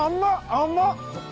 甘っ！